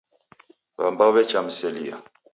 W'ambao w'echamselia.